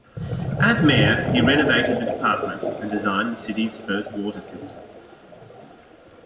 As mayor, he renovated the department and designed the city's first water system.